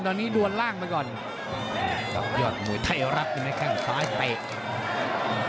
ต้องยอดกับมวยไทยรักในข้างฝ้าให้เป็น